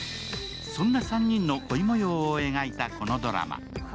そんな３人の恋もようを描いた、このドラマ。